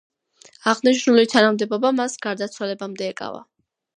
აღნიშნული თანამდებობა მას გარდაცვალებამდე ეკავა.